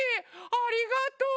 ありがとう。